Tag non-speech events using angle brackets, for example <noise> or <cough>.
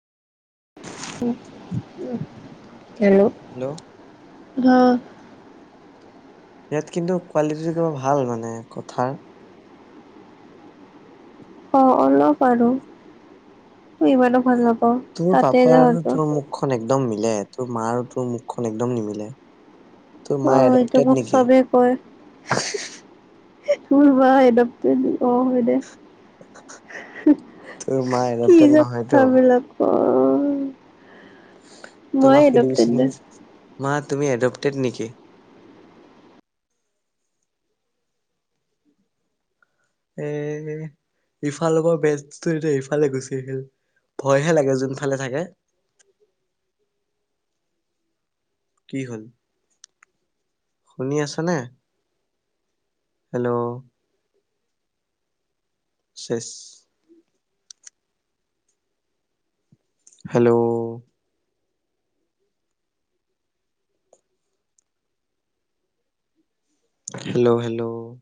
Hello hello ধ ইয়াত কিন্তু কোৱালিটিটো কিবা ভাল মানে কথাৰ অঁ অলপ আৰু ইমানো ভাল নাপাও তোৰ পাপা আৰু তোৰ মুখখন একদম মিলে তোৰ মা আৰু তোৰ মুখখন একদম নিমিলে তোৰ অ মা এইটো এডপটেড মোক নেকি? চবেই কয়। এই ভুল হয় <unintelligible> অ হয় দে তোৰ মা এডপটেড কিযে নহয়তো কথাবিলাক কয় মই তোমাক সুধি এডপটেড দে। <unintelligible> মা তুমি এডপটেড নেকি? এ হে ইফাল লগৰ বেজটো এতিয়া এইফালে গুচি আহিল। ভয়হে লাগে যোনফালে থাকে। কি হ'ল। শুনি আছ নে? হেল্ল' শেষ হেল্ল' হেল্ল' হেল্ল'